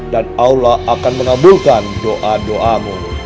dan allah akan mengabulkan doa doamu